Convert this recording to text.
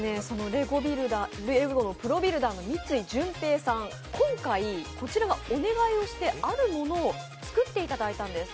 レゴのプロビルダーの三井淳平さん、今回、こちらがお願いをしてあるものを作っていただいたんです。